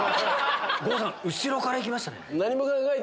郷さん後ろからいきましたね。